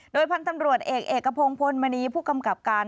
โดยพันธุ์ตำรวจเอกเอกพงศ์พลมณีผู้กำกับการ